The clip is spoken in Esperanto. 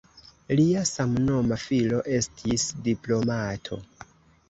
Lia samnoma filo estis diplomato.